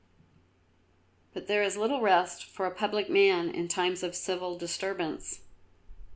But there is little rest for a public man in times of civil disturbance.